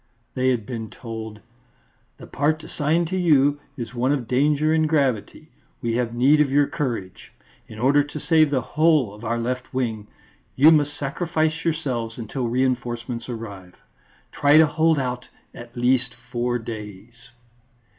They had been told: "The part assigned to you is one of danger and gravity; we have need of your courage. In order to save the whole of our left wing you must sacrifice yourselves until reinforcements arrive. _Try to hold out at least four days.